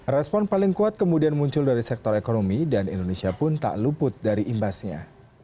respon paling kuat kemudian muncul dari sektor ekonomi dan indonesia pun tak luput dari imbasnya